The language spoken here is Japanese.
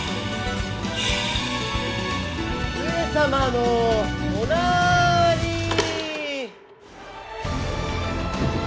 上様のおなーりー！